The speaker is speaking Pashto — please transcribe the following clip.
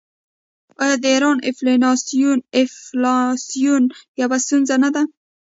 آیا د ایران انفلاسیون یوه ستونزه نه ده؟